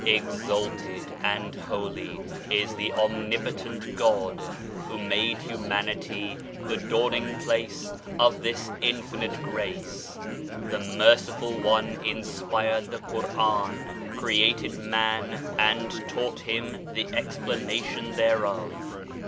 Exalted and holy is the Omnipotent God who made humanity the daw*ning place of this infinite grace: "The Merciful One inspired the Quran, created man, and taught him the explanation thereof."